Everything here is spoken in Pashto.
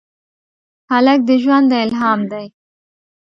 هلک د ژونده الهام دی.